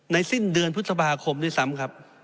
สิ้นเดือนพฤษภาคมด้วยซ้ำครับ